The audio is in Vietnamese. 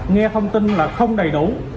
nghe thông tin là không đầy đủ